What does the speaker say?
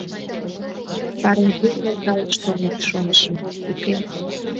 Пареҥгем нӧлталаш толыт, шонышым, уке.